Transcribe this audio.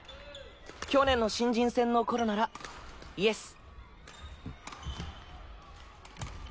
去年の新人戦の頃ならイエス。